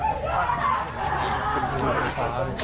ไปตามแม่นั่นแม่ออกไปเลย